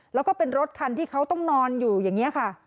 แล้วก็เป็นรถคันที่เขาต้องนอนอยู่อย่างนี้ค่ะ